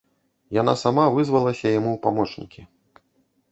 Яна сама вызвалася яму ў памочнікі.